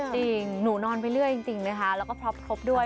จริงหนูนอนไปเรื่อยจริงนะคะแล้วก็พล็อปครบด้วย